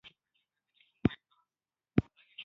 که په اوسنیو شرایطو کې کابل ته نه ځې.